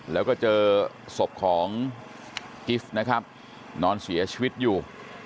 แล้วก็เจอศพของกิฟต์นะครับนอนเสียชีวิตอยู่